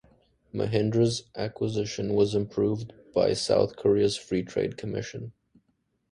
Mahindra's acquisition was approved by South Korea's Free Trade Commission.